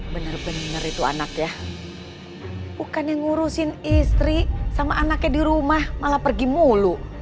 benar benar itu anak ya bukan yang ngurusin istri sama anaknya di rumah malah pergi mulu